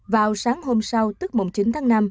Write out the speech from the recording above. vào sáng hôm sau tức mùng chín tháng năm